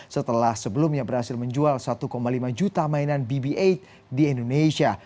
setelah sebelumnya berhasil menjual satu lima juta mainan bb delapan di indonesia